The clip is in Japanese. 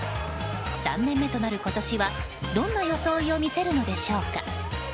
３年目となる今年はどんな装いを見せるのでしょうか。